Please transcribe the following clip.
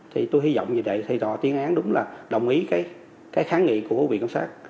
thì tôi hy vọng như vậy thầy tòa tiến án đúng là đồng ý cái kháng nghị của hội viện công sát